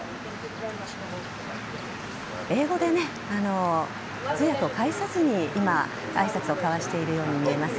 英語で通訳を介さずにあいさつを交わしているように見えます。